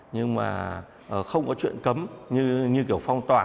nhưng mà không có chuyện cấm như kiểu phong tỏa